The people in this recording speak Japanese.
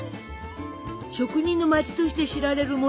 職人の町として知られるモデナ。